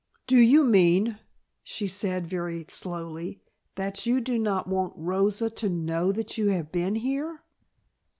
"Do you mean," she said very slowly, "that you do not want Rosa to know you have been here?"